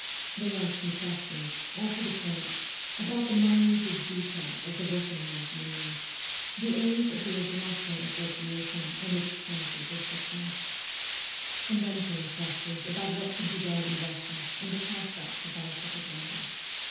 They asked me questions, all to the point, about the minute details of the working men's unions, the aims of the International Association and its chances of success, and then came questions about what could be done in Russia, and the prospects of our propaganda.